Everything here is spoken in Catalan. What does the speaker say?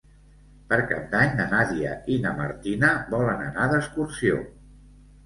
Per Cap d'Any na Nàdia i na Martina volen anar d'excursió.